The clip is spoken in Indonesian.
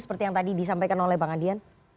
seperti yang tadi disampaikan oleh bang adian